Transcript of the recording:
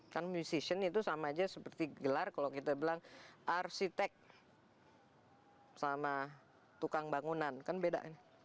kan musetion itu sama aja seperti gelar kalau kita bilang arsitek sama tukang bangunan kan beda